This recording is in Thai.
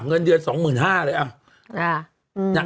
เงินเดือน๒๕๐๐๐เลยอ่ะ